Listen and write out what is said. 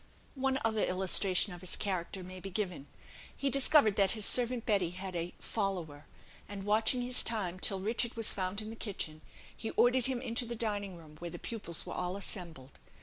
One other illustration of his character may be given. He discovered that his servant Betty had "a follower;" and, watching his time till Richard was found in the kitchen, he ordered him into the dining room, where the pupils were all assembled.